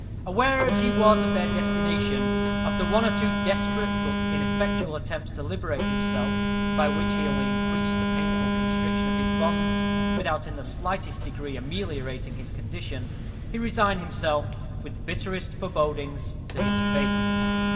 Aware as he was of their destination, after one or two desperate but ineffectual attempts to liberate himself, by which he only increased the painful constriction of his bonds, without in the slightest degree ameliorating his condition, he resigned himself, with bitterest forebodings, to his fate.